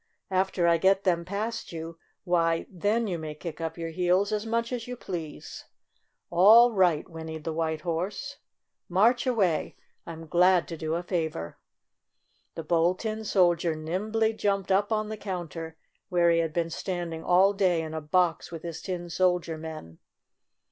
After I get them past you, why, then you may kick up your heels as much as you please." "All right," whinnied the White Horse. 8 STORY OF A SAWDUST DOLL " March away! I'm glad to do a favor." The Bold Tin Soldier nimbly jumped up on the counter, where he had been standing all day in a box with his tin sol dier men.